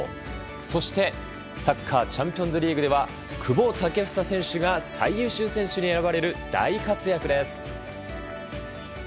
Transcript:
そして、サッカーチャンピオンズリーグでは久保建英選手が最優秀選手に選ばれる大活躍です。